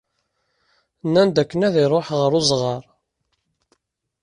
Nnan-d dakken ad iṛuḥ ɣer uzɣar.